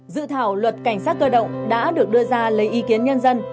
dự thảo luật cảnh sát cơ động đã được đưa ra lấy ý kiến nhân dân